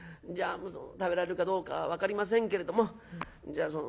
じゃあ食べられるかどうか分かりませんけれどもじゃあ